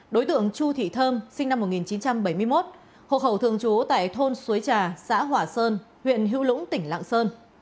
đối tượng chu thị thơm sinh năm một nghìn chín trăm bảy mươi một hộ khẩu thường trú tại thôn suối trà xã hỏa sơn huyện hữu lũng tỉnh lạng sơn